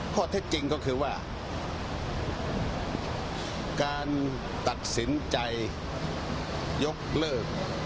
ข้อเท็จจริงก็คือว่าการตัดสินใจยกเลิก